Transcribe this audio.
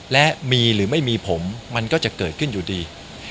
และมีหรือไม่มีผมมันก็จะเกิดขึ้นอยู่ดี